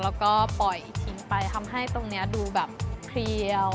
แล้วก็ปล่อยทิ้งไปทำให้ตรงนี้ดูแบบเพลียว